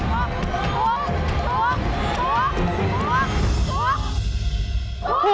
ถูกถูกถูก